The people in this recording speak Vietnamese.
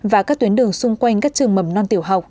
và các tuyến đường xung quanh các trường mầm non tiểu học